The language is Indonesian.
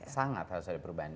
sangat harus ada perubahan